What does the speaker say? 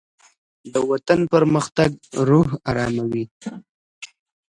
دوطن پرمختګ روح آراموي